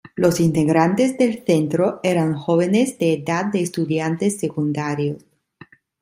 Los integrantes del Centro eran jóvenes de edad de estudiantes secundarios.